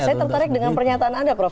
saya tertarik dengan pernyataan anda prof